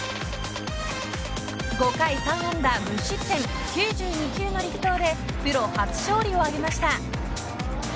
５回３安打無失点の９２球の力投でプロ初勝利を挙げました。